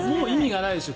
もう意味がないですよ